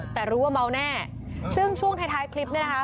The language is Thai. แต่รู้ว่าเมาแน่ซึ่งช่วงท้ายท้ายคลิปเนี่ยนะคะ